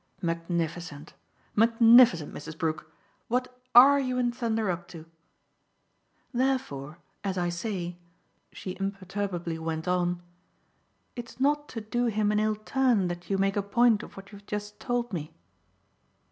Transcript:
"Magnificent, magnificent Mrs. Brook! What ARE you in thunder up to?" "Therefore, as I say," she imperturbably went on, "it's not to do him an ill turn that you make a point of what you've just told me."